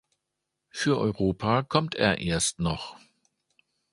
Für Europa kommt er erst noch.